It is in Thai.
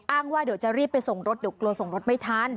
ว่าเดี๋ยวจะรีบไปส่งรถเดี๋ยวกลัวส่งรถไม่ทัน